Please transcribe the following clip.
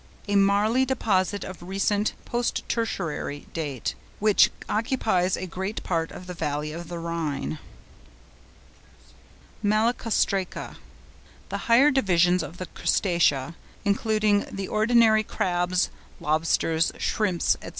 —A marly deposit of recent (Post Tertiary) date, which occupies a great part of the valley of the Rhine. MALACOSTRACA.—The higher division of the Crustacea, including the ordinary crabs, lobsters, shrimps, &c.